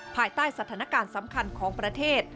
ภายใต้สถานการณ์สำคัญของประเทศ